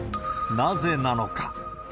なぜなのか。